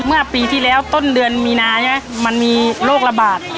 เมื่อปีที่แล้วต้นเดือนมีนาใช่ไหมมันมีโรคระบาด